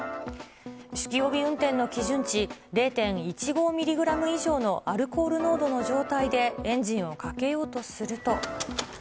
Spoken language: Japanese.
酒気帯び運転の基準値、０．１５ミリグラム以上のアルコール濃度の状態でエンジンをかけようとすると。